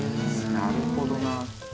なるほどな。